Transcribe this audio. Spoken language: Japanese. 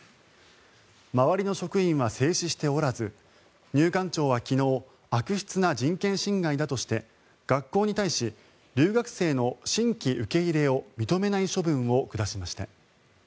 周りの職員は制止しておらず入管庁は昨日悪質な人権侵害だとして学校に対し留学生の新規受け入れを認めない処分を下しました。